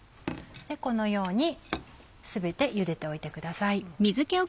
このように全て茹でておいてください。